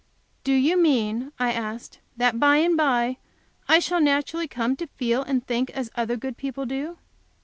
"Do you mean," I asked, "that by and by I shall naturally come to feel and think as other good people do?"